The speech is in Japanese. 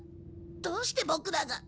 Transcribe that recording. どうしてボクらが。